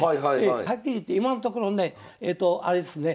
はっきり言って今のところねえとあれですね